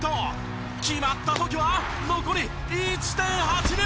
決まった時は残り１．８秒。